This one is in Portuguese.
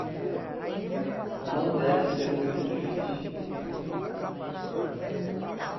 Não deve ser muito difícil